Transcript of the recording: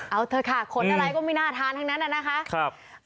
เอาเถอะค่ะขนอะไรก็ไม่น่าทานทั้งนั้นนะคะ